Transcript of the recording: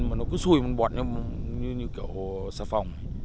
mà nó cứ xùi bọn như kiểu sà phòng